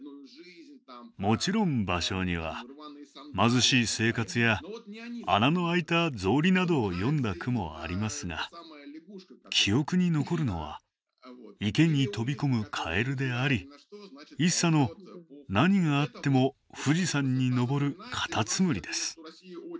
もちろん芭蕉には貧しい生活や穴の開いた草履などを詠んだ句もありますが記憶に残るのは池に飛び込むカエルであり一茶の何があっても富士山に登るカタツムリです。